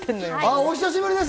お久しぶりです。